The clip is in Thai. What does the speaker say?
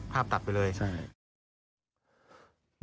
ภาพตัดไปเลยใช่